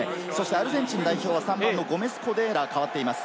アルゼンチン代表はゴメス＝コデーラ、かわっています。